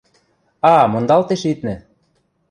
А мондалтеш виднӹ!